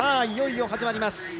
いよいよ始まります。